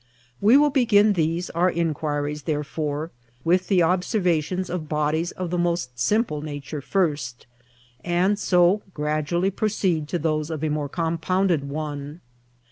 We will begin these our Inquiries therefore with the Observations of Bodies of the most simple nature first, and so gradually proceed to those of a more compounded one.